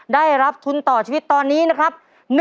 ได้รับทุนต่อชีวิตตอนนี้นะครับ